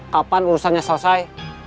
kapan urusannya selesai